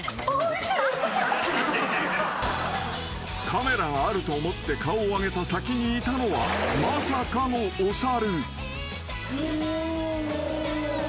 ［カメラがあると思って顔を上げた先にいたのはまさかのお猿］